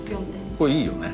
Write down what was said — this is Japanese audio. これいいよね。